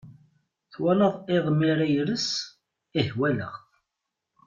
Twalaḍ iḍ mi ara d-ires? Ih walaɣ-t.